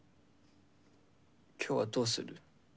今日はどうする？